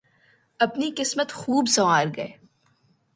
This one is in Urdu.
اپنی قسمت خوب سنوار گئے۔